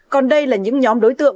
còn đây là những nhóm đối tượng